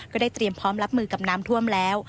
ก็ได้เตรียมพร้อมรับมือกับน้ำท่วมแล้ว